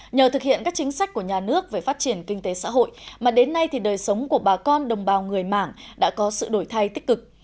nhờ thực hiện các chính sách của nhà nước về phát triển kinh tế xã hội mà đến nay thì đời sống của bà con đồng bào người mảng đã có sự đổi thay tích cực